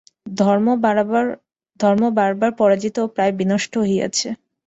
ধর্ম বারবার পরাজিত ও প্রায় বিনষ্ট হইয়াছে।